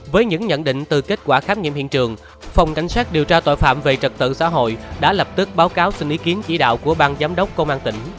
với những nhận định từ kết quả khám nghiệm hiện trường phòng cảnh sát điều tra tội phạm về trật tự xã hội đã lập tức báo cáo xin ý kiến chỉ đạo của bang giám đốc công an tỉnh